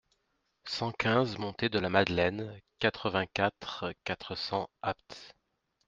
cent quinze montée de la Madeleine, quatre-vingt-quatre, quatre cents, Apt